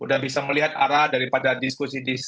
udah bisa melihat arah daripada diskusi diskusi